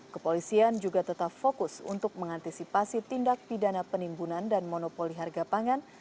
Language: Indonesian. kepolisian juga tetap fokus untuk mengantisipasi tindak pidana penimbunan dan monopoli harga pangan